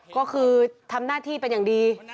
ก็คือทำหน้าที่เป็นอย่างดี